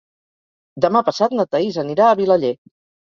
Demà passat na Thaís anirà a Vilaller.